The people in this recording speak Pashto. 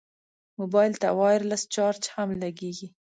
موبایل ته وایرلس چارج هم لګېږي.